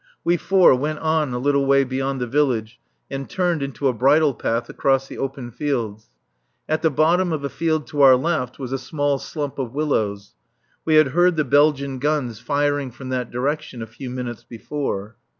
We four went on a little way beyond the village and turned into a bridle path across the open fields. At the bottom of a field to our left was a small slump of willows; we had heard the Belgian guns firing from that direction a few minutes before.